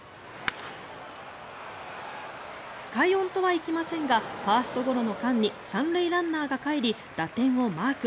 快音とはいきませんがファーストゴロの間に３塁ランナーがかえり打点をマーク。